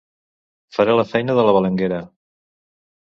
Faré la feina de la balenguera.